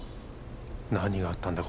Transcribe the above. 何があったんだ？